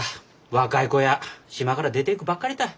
若い子や島から出ていくばっかりたい。